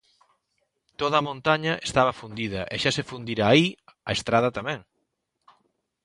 Toda a montaña estaba fundida e xa se fundira aí a estrada tamén.